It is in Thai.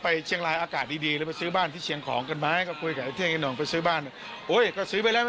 ผู้หญิง๑คนโตแล้วมีหลานคนอีกก็นอกานิกาครับ